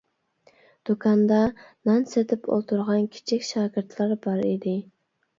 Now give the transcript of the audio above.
دۇكاندا نان سېتىپ ئولتۇرغان كىچىك شاگىرتلا بار ئىدى.